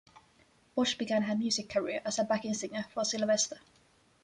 Wash began her music career as a backing singer for Sylvester.